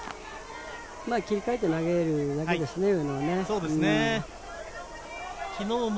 まぁ切り替えて投げるだけですね、上野は。